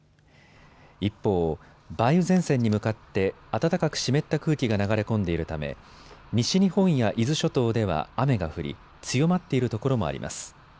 一方、梅雨前線に向かって暖かく湿った空気が流れ込んでいるため西日本や伊豆諸島では雨が降り強まっている所もあります。